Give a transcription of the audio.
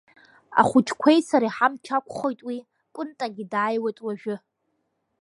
Ахәыҷқәеи сареи ҳамч ақәхоит, уи, Кәынтагьы дааиуеит уажәы…